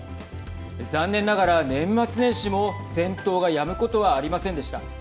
残念ながら年末年始も戦闘がやむことはありませんでした。